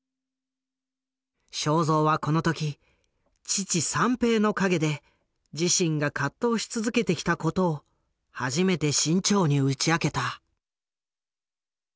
正蔵はこの時父三平の陰で自身が葛藤し続けてきたことを初めて志ん朝に打ち明けた。